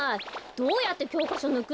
どうやってきょうかしょぬくのよ！